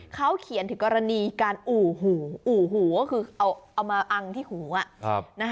เขาเขียนถึงกรณีการอู่หูอู่หูก็คือเอามาอังที่หู